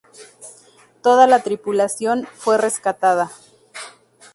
Toda la tripulación, fue rescatada.